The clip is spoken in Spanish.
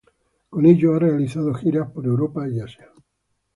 Con ella ha realizado giras por Europa y Asia.